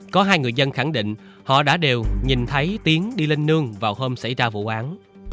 có hai người dân khẳng định họ đã đều nhìn thấy tiến đi lên nương vào hôm xảy ra vụ án